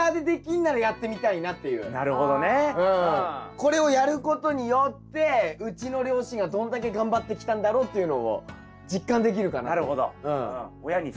これをやることによってうちの両親がどんだけ頑張ってきたんだろうっていうのを実感できるかなって。